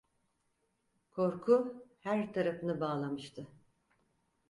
Korku her tarafını bağlamıştı.